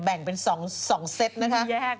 แบ่งเป็น๒เซตนะคะ